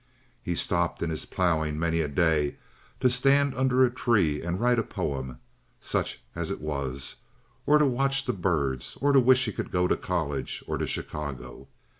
He had stopped in his plowing many a day to stand under a tree and write a poem—such as it was—or to watch the birds or to wish he could go to college or to Chicago.